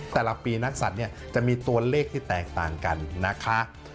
แต่ละปีนักศัตริย์เนี่ยจะมีตัวเลขที่แตกต่างกันนะคะ